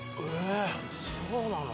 そうなの？